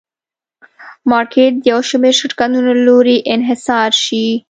مارکېټ د یو شمېر شرکتونو له لوري انحصار شي.